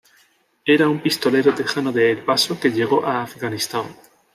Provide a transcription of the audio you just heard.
Era un pistolero tejano de El paso que llegó a Afganistán.